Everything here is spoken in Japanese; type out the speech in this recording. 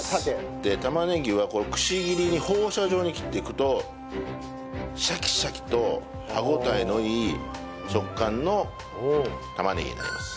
で玉ねぎはくし切りに放射状に切っていくとシャキシャキと歯応えのいい食感の玉ねぎになります。